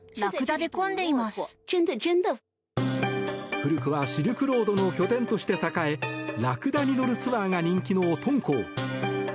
古くはシルクロードの拠点として栄えラクダに乗るツアーが人気の敦煌。